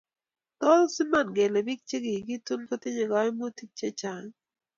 Tos iman kele biik chekiketun kotinyei kaimutiik chechang?